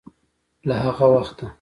له هغه وخته